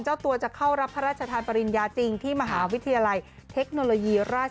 เจ้าตัวจะเข้ารับพระราชทานปริญญาจริง